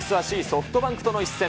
ソフトバンクとの一戦。